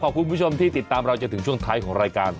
คุณผู้ชมที่ติดตามเราจนถึงช่วงท้ายของรายการ